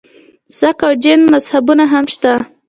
سک او جین مذهبونه هم شته.